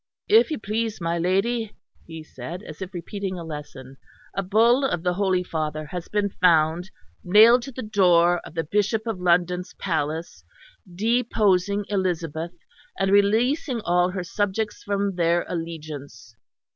"If you please, my lady," he said, as if repeating a lesson, "a Bull of the Holy Father has been found nailed to the door of the Bishop of London's palace, deposing Elizabeth and releasing all her subjects from their allegiance."